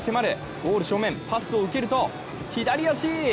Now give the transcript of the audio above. ゴール正面、パスを受けると左足！